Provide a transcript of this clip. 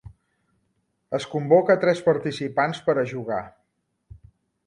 Es convoca a tres participants per a jugar.